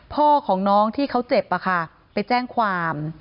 พ่อของน้องที่เขาเจ็บไปแจ้งความ